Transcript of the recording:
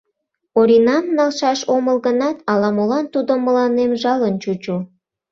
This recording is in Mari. Оринам налшаш омыл гынат, ала-молан тудо мыланем жалын чучо.